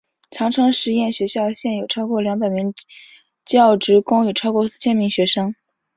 长城实验学校现有超过两百名教职工与超过四千名学生。